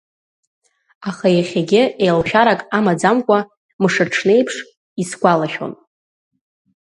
Аха иахьагьы еилшәарак амаӡамкәа мшаҽнеиԥш исгәа-лашәон.